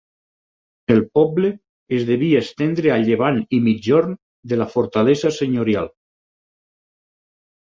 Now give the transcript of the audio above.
El poble es devia estendre a llevant i migjorn de la fortalesa senyorial.